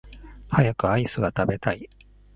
早くアイスが食べたい